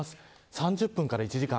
３０分から１時間。